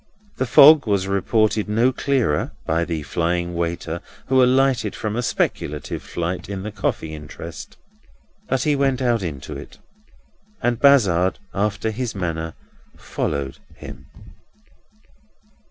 The fog was reported no clearer (by the flying waiter, who alighted from a speculative flight in the coffee interest), but he went out into it; and Bazzard, after his manner, "followed" him.